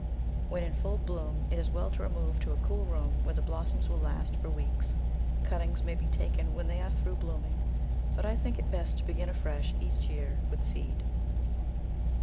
When in full bloom it is well to remove to a cool room, where the blossoms will last for weeks. Cuttings may be taken when they are through bloom ing, but I think it best to begin afresh each year with seed.